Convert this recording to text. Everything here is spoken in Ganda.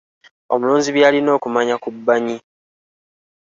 Omulunzi by’alina okumanya ku bbanyi